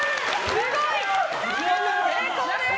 すごい！成功です。